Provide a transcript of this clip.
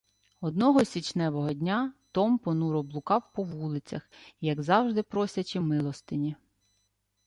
Одного січневого дня Том понуро блукав по вулицях, як завжди просячи милостині.